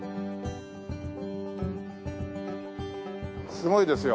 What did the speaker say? すごいですよ。